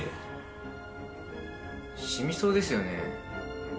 染みそうですよね。